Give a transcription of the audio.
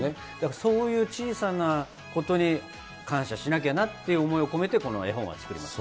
そういう小さなことに感謝しなきゃなって思いを込めて、この絵本は作りました。